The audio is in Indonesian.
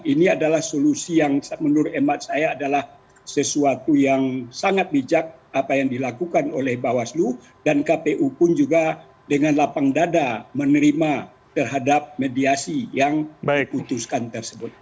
ini adalah solusi yang menurut emat saya adalah sesuatu yang sangat bijak apa yang dilakukan oleh bawaslu dan kpu pun juga dengan lapang dada menerima terhadap mediasi yang diputuskan tersebut